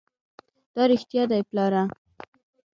دا رښتيا دي پلاره!